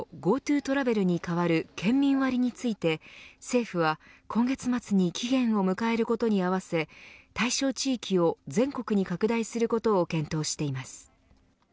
ＧｏＴｏトラベルに代わる県民割について政府は、今月末に期限を迎えることに合わせ対象地域を全国に拡大することを検討しています。